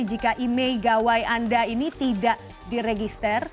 jadi jika imei gawai anda ini tidak diregister